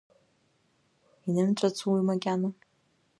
Инымҵәацу уи макьана?